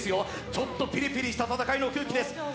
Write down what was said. ちょっとピリピリした戦いの空気です。